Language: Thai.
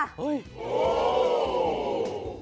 เฮ้ย